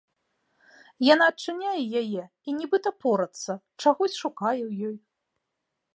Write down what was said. Яна адчыняе яе і нібыта порацца, чагось шукае ў ёй.